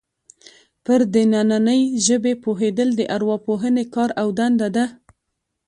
پر دنننۍ ژبې پوهېدل د ارواپوهنې کار او دنده ده